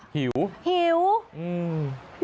หิวหิวอืม